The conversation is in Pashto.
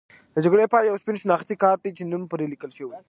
د جګړې پای یو سپین شناختي کارت دی چې نوم پرې لیکل شوی.